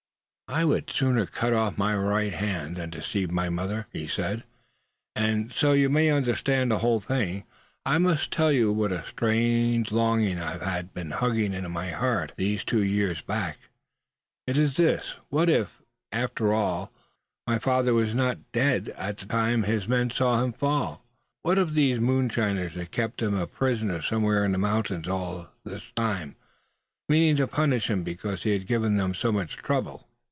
"I would sooner cut off my right hand, suh, than deceive my mother," he said. "And, so you may understand the whole thing, I must tell you what a strange longin' I've been hugging to my heart these two years back. It is this. What if, after all, my father was not dead at the time his men saw him fall; what if these moonshiners have kept him a prisoner somewhere in these mountains all this while, meanin' to punish him because he had given them all so much trouble!"